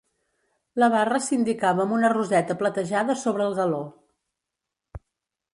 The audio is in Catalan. La barra s'indicava amb una roseta platejada sobre el galó.